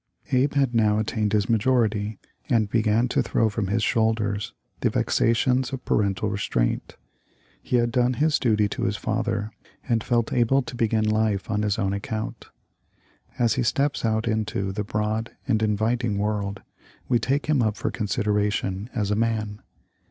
Abe had now attained his majority and began to throw from his shoulders the vexations of parental restraint. He had done his duty to his father, and felt able to begin life on his own account. As he steps out into the broad and inviting world we take him up for consideration as a man.